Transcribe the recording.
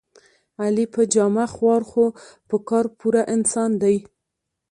علي په جامه خوار خو په کار پوره انسان دی.